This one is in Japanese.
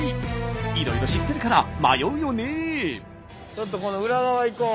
いろいろ知ってるから迷うよね。